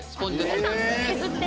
・削って？